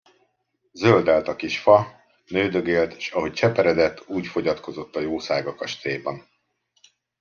Zöldellt a kis fa, nődögélt, s ahogy cseperedett, úgy fogyatkozott a jószág a kastélyban.